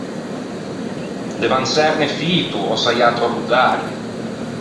Devan çerne fito, ò saià tròppo tardi.